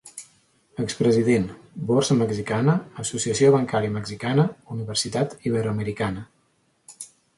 Expresident: Borsa Mexicana, Associació bancària mexicana, Universitat Iberoamericana.